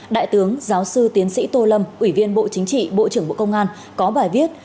đại tướng giáo sư tiến sĩ tô lâm ủy viên bộ chính trị bộ trưởng bộ công an có bài viết